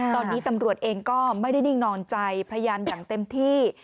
ตอนนี้ตำรวจเองก็ไม่ได้นิ่งนอนใจพยายามอย่างเต็มที่